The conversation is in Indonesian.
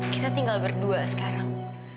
kita tinggal berdua sekarang